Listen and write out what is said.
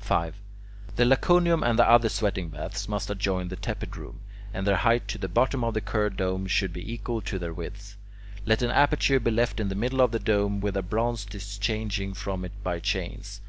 5. The Laconicum and other sweating baths must adjoin the tepid room, and their height to the bottom of the curved dome should be equal to their width. Let an aperture be left in the middle of the dome with a bronze disc hanging from it by chains.